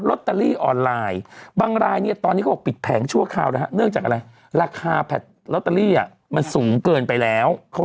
อืมอืมอืมอืมอืมอืมอืมอืมอืมอืมอืมอืมอืมอืมอืม